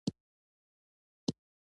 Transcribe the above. ملګری د نېکمرغۍ زېری وي